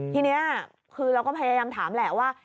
ทีนี้คือเราก็พยายามถามแหละว่า